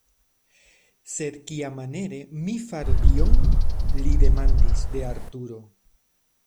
"Sed kiamaniere mi faru tion?!" Li demandis de Arturo!